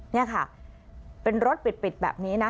นี่ค่ะเป็นรถปิดแบบนี้นะ